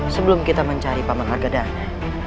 sebelum kita mencari paman argadana